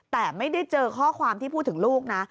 แต่ไม่ได้เจอข้อความที่พูดถึงลูกนะ